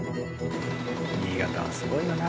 新潟はすごいよな。